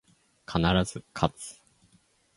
必ず、かつ